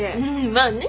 まあね。